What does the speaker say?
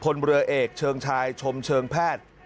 คนเรือเอกเชิงชายชมเชิงแพทย์